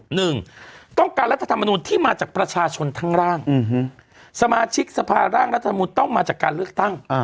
หนึ่งต้องการรัฐธรรมนูลที่มาจากประชาชนทั้งร่างสมาชิกสภาร่างรัฐมนุนต้องมาจากการเลือกตั้ง